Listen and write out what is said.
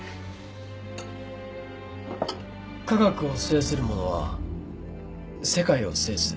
「科学を制する者は世界を制す」